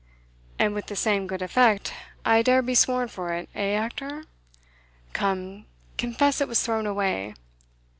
"And with the same good effect, I dare be sworn for it eh, Hector? Come, confess it was thrown away."